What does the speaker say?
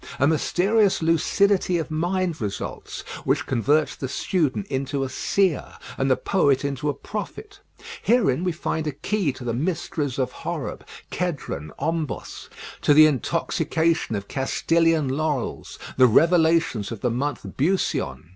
A mysterious lucidity of mind results, which converts the student into a seer, and the poet into a prophet: herein we find a key to the mysteries of Horeb, Kedron, Ombos; to the intoxication of Castilian laurels, the revelations of the month Busion.